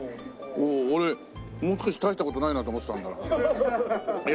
俺もう少し大した事ないなと思ってたんだよ。